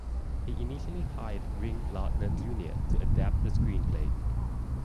He initially hired Ring Lardner Junior to adapt the screenplay.